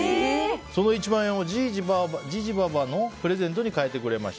その１万円をじいじ、ばあばのプレゼントに変えてくれました。